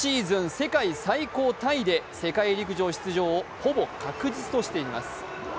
世界最高タイで世界陸上出場をほぼ確実としています。